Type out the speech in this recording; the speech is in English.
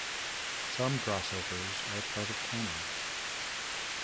Some crossovers are part of canon.